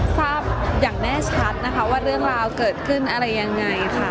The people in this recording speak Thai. ทราบอย่างแน่ชัดนะคะว่าเรื่องราวเกิดขึ้นอะไรยังไงค่ะ